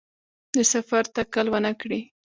د سفر تکل ونکړي.